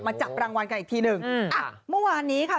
จับรางวัลกันอีกทีหนึ่งอืมอ่ะเมื่อวานนี้ค่ะ